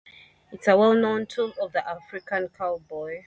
It is a well-known tool of the American cowboy.